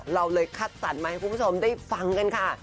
เราเลยคัดสรรมาให้คุณผู้ชมได้ฟังกันค่ะ